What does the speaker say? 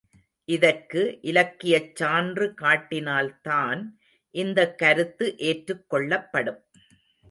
இதற்கு இலக்கியச் சான்று காட்டினால்தான், இந்தக் கருத்து ஏற்றுக் கொள்ளப்படும்.